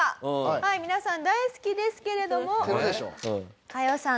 はい皆さん大好きですけれども。